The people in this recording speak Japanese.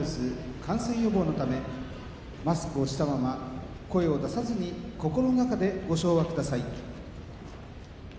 感染予防のためマスクをしたまま声を出さずに心の中でご唱和ください。